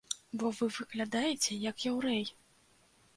Бо вы выглядаеце як яўрэй!